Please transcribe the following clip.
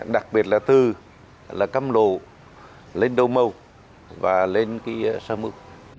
đặc biệt là từ cam lộ lên đông mâu và lên sơ mưu